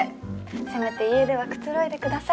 せめて家ではくつろいでください